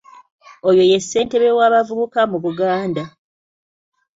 Oyo ye ssentebe w'abavubuka mu Buganda.